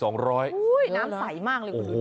น้ำใสมากเลย